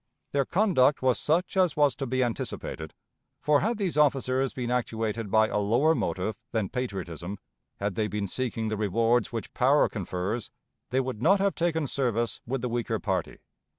Their conduct was such as was to be anticipated, for, had these officers been actuated by a lower motive than patriotism, had they been seeking the rewards which power confers, they would not have taken service with the weaker party.